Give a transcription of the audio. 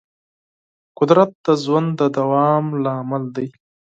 قدرت د ژوند د دوام لامل دی.